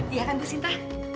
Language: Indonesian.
iya kan bu sinta